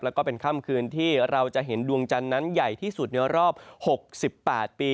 แล้วก็เป็นคั่มคืนที่เราจะเห็นดวงจันนั้นใหญ่ที่สุดในรอบหกสิบแปดปี